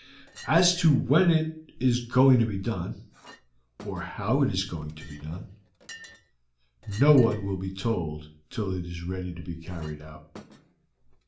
As to when it is going to be done, or how it is going to be done, no one will be told till it is ready to be carried out.